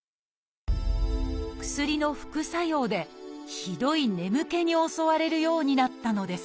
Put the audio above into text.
薬の副作用でひどい眠気に襲われるようになったのです。